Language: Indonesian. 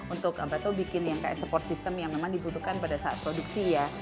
untuk apa tuh bikin yang kayak support system yang memang dibutuhkan pada saat produksi ya